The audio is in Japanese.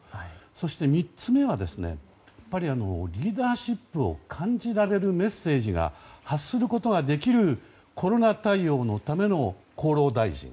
そして３つ目はリーダーシップを感じられるメッセージを発することができるコロナ対応のための厚労大臣。